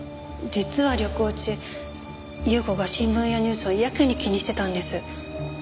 実は旅行中優子が新聞やニュースをやけに気にしてたんです。